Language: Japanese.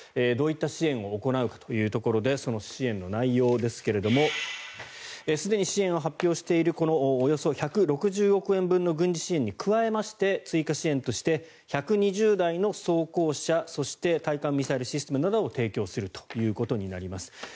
どういった支援を行うかというところでその支援の内容ですがすでに支援を発表しているおよそ１６０億円分の軍事支援に加えて追加支援として１２０台の装甲車そして対艦ミサイルシステムなどを提供するということになります。